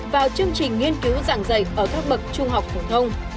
vào chương trình nghiên cứu dạng dạy ở các mực trung học phổ thông